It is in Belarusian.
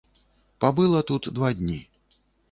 Пабыла тут два дні.